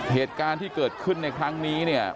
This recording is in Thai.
เหตุการณ์ที่เกิดขึ้นในครั้งนี้เนี่ย